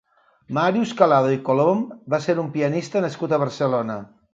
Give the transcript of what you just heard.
Màrius Calado i Colom va ser un pianista nascut a Barcelona.